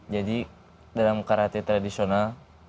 jadi dalam karate tradisional